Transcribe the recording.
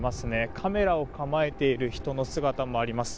カメラを構えている人の姿もあります。